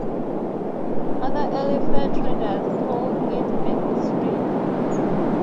Other early fur traders called it Menzies Strait.